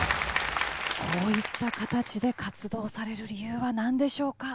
こういった形で活動される理由は何でしょうか？